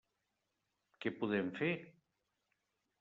Què podem fer?